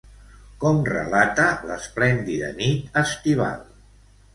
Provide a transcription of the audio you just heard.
Com relata l'esplèndida nit estival?